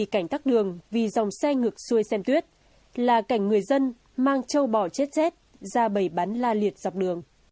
cảnh tắt đường vì dòng xe ngược xuôi xem tuyết là cảnh người dân mang châu bỏ chết chết ra bầy bắn la liệt dọc đường